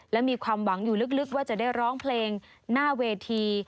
และมีความหวังอยู่ลึกว่าจะได้ร้องเพลงหน้าเวที